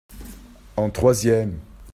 en troisième.